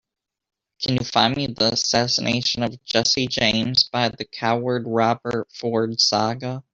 Can you find me The Assassination of Jesse James by the Coward Robert Ford saga?